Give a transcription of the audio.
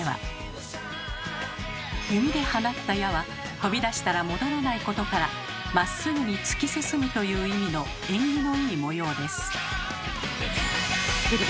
弓で放った矢は飛び出したら戻らないことから「まっすぐに突き進む」という意味の縁起のいい模様です。